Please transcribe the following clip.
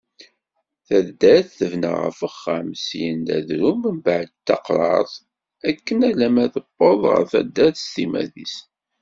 Taddart, tebna ɣef uxxam, syin n d adrum mbeɛd d taqrart, akken alamma tewwḍeḍ ɣer taddart s timmad-is.